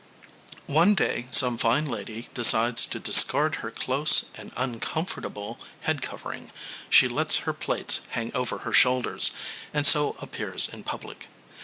One day some fine lady decides to discard her close and uncomfortable head covering. She lets her plaits hang over her shoulders, and so appears in public.